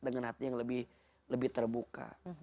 dengan hati yang lebih kuat dengan hati yang lebih terbuka